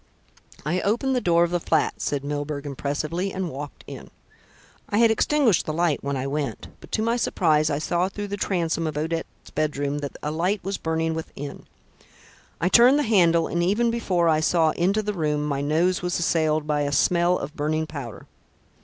"I opened the door of the flat," said Mr. Milburgh impressively, "and walked in. I had extinguished the light when I went, but to my surprise I saw through the transom of Odette's bedroom that a light was burning within. I turned the handle, and even before I saw into the room, my nose was assailed by a smell of burning powder.